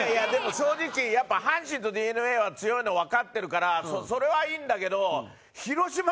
正直やっぱ阪神とＤｅＮＡは強いのわかってるからそれはいいんだけど。